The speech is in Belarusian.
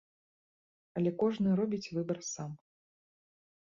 Але кожны робіць выбар сам.